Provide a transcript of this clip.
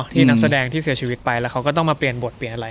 นักแสดงที่เสียชีวิตไปแล้วเขาก็ต้องมาเปลี่ยนบทเปลี่ยนอะไร